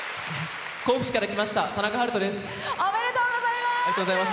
甲府市から来ましたたなかです。